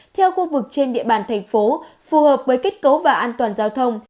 theo khu vực trên địa bàn thành phố phù hợp với kết cấu và an toàn giao thông